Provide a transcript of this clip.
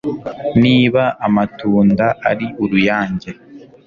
niba amatunda ari uruyange